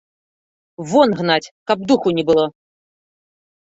Вон гнаць, каб духу не было!